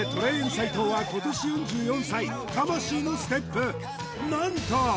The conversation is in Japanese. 斎藤は今年４４歳魂のステップなんと